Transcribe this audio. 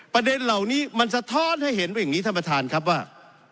ประเด็นเหล่านี้มันสะท้อนให้เห็นว่าอย่างนี้ท่านประธานครับว่า